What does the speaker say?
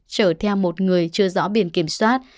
chở theo một người chưa rõ biển kiểm soát